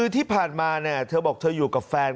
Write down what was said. ที่ผ่านมาเธอบอกเธออยู่กับแฟน